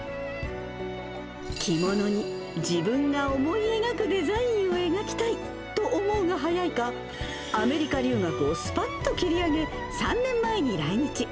着物に自分が思い描くデザインを描きたいと思うが早いか、アメリカ留学をすぱっと切り上げ、３年前に来日。